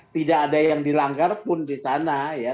tidak ada yang dilanggar pun di sana ya